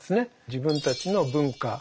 自分たちの文化